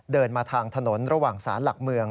เดินมาทางถนนระหว่างศาลหลักเมือง